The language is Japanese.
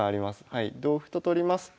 同歩と取りますと。